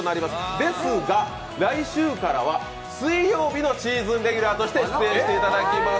ですが、来週からは水曜日のシーズンレギュラーとして出演していただきます。